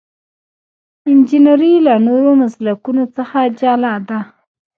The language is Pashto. انجنیری له نورو مسلکونو څخه جلا ده.